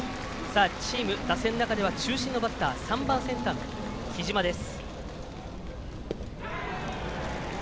チーム打線の中では中心のバッター３番センターの木嶋です。